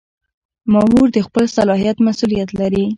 مامور د خپل صلاحیت مسؤلیت لري.